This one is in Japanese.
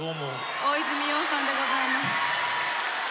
大泉洋さんでございます。